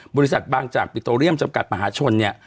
บริษัทบางจากปิโตเรียมจำกัดมหาชนเนี่ย